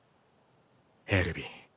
エルヴィン